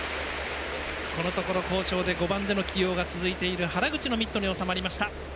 このところ好調で５番出場が続いている原口のミットに収まりました。